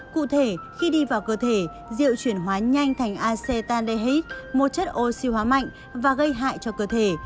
cụ thể khi đi vào cơ thể diệu chuyển hóa nhanh thành actan dehid một chất oxy hóa mạnh và gây hại cho cơ thể